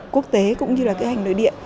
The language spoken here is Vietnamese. quốc tế cũng như là kỳ kết hành nội địa